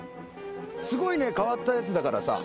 すごい変わったやつだからさ。